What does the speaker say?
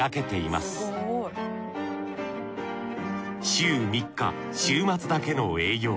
週３日週末だけの営業。